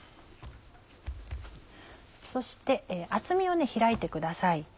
そして厚みを開いてください。